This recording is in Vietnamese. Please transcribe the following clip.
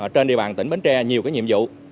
trên địa bàn tỉnh bến tre nhiều nhiệm vụ